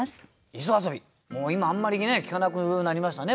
もう今あんまりね聞かなくなりましたね